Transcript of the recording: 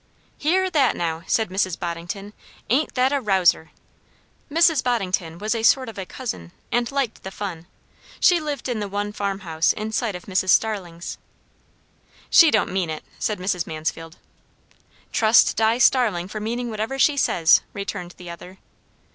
"Hear that, now!" said Mrs. Boddington. "Ain't that a rouser!" Mrs. Boddington was a sort of a cousin, and liked the fun; she lived in the one farm house in sight of Mrs. Starling's. "She don't mean it," said Mrs. Mansfield. "Trust Di Starling for meaning whatever she says," returned the other.